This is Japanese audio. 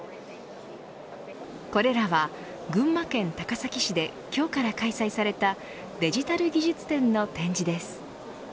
これらは群馬県高崎市で今日から開催されたデジタル技術展の展示です。